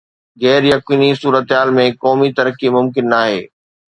غير يقيني صورتحال ۾ قومي ترقي ممڪن ناهي